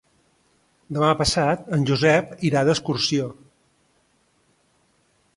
Demà passat en Josep irà d'excursió.